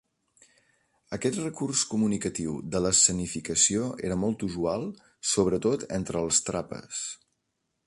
Aquest recurs comunicatiu de l'escenificació era molt usual, sobretot entre els Trapas.